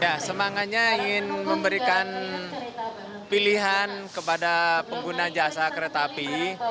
ya semangatnya ingin memberikan pilihan kepada pengguna jasa kereta api